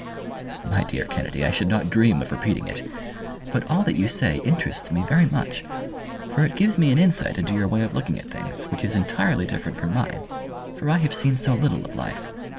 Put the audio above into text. "My dear Kennedy, I should not dream of repeating it. But all that you say interests me very much, for it gives me an insight into your way of looking at things, which is entirely different from mine, for I have seen so little of life.